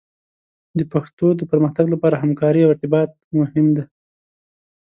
د پښتو د پرمختګ لپاره همکارۍ او ارتباط مهم دي.